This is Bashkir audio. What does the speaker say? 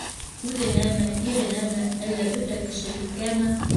Үҙенәме, иренәме, әллә бөтә кешелеккәме?